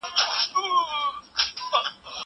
زه به اوږده موده لوبه کړې وم!!